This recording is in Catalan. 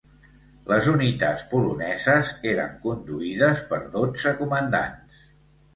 Les unitats poloneses eren conduïdes per dotze comandants.